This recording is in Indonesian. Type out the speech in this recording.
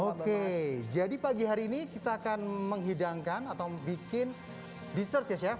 oke jadi pagi hari ini kita akan menghidangkan atau bikin dessert ya chef